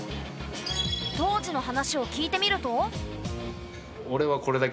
当時の話を聞いてみると。